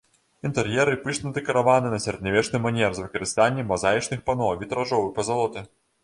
Інтэр'еры пышна дэкараваны на сярэднявечны манер з выкарыстаннем мазаічных пано, вітражоў і пазалоты.